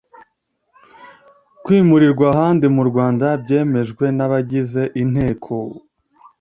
kwimurirwa ahandi mu Rwanda byemejwe na abagize Inteko